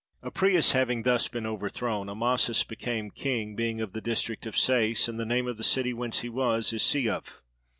Apries having thus been overthrown, Amasis became king, being of the district of Sais, and the name of the city whence he was is Siuph.